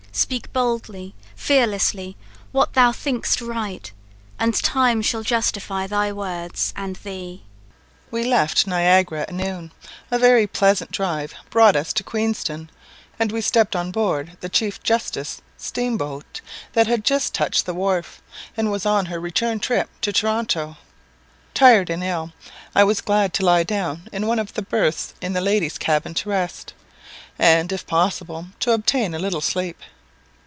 Speak boldly, fearlessly, what thou think'st right, And time shall justify thy words and thee!" S.M. We left Niagara at noon. A very pleasant drive brought us to Queenstone, and we stepped on board the "Chief Justice" steamboat, that had just touched the wharf, and was on her return trip to Toronto. Tired and ill, I was glad to lie down in one of the berths in the ladies' cabin to rest, and, if possible, to obtain a little sleep.